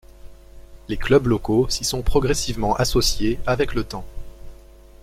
Les clubs locaux s'y sont progressivement associés avec le temps.